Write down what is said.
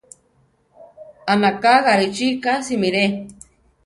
Anaka Garichí ka simire.